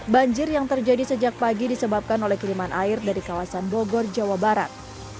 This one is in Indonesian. banjir yang terjadi sejak pagi disebabkan oleh kiriman air dari kawasan bogor jawa barat